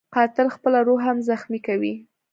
قاتل خپله روح هم زخمي کوي